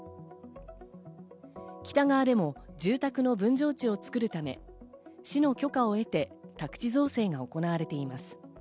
北側でも住宅の分譲地を作るため市の許可を得て宅地造成が行われています。